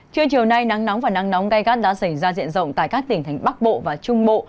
trưa chiều nay nắng nóng và nắng nóng gai gắt đã xảy ra diện rộng tại các tỉnh thành bắc bộ và trung bộ